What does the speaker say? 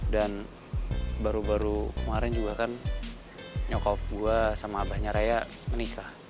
dan baru baru kemarin juga kan nyokap gue sama abahnya raya menikah